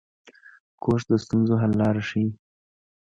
کورس د ستونزو حل لاره ښيي.